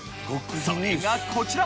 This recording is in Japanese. それがこちら！